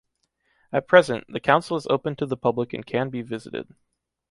At present, the Council is open to the public and can be visited.